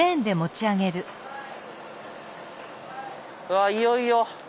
わあいよいよ。